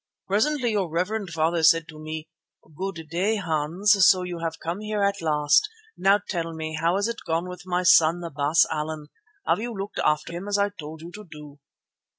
Presently your reverend father said to me: 'Good day, Hans. So you have come here at last. Now tell me, how has it gone with my son, the Baas Allan? Have you looked after him as I told you to do?